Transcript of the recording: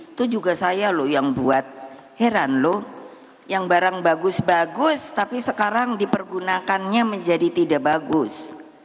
itu juga saya loh yang buat heran loh yang barang bagus bagus tapi sekarang dipergunakannya menjadi tidak bagus